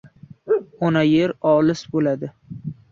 Ona Yer olis bo‘ldi!